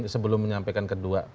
sebelum menyampaikan kedua